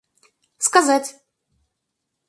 сказать